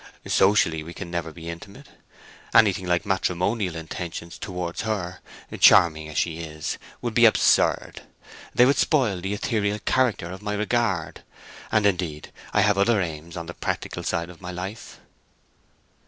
Socially we can never be intimate. Anything like matrimonial intentions towards her, charming as she is, would be absurd. They would spoil the ethereal character of my regard. And, indeed, I have other aims on the practical side of my life."